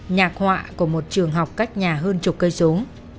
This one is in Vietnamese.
nhạc họa của một trường học cách nhà hơn chục cây số